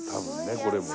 これもね。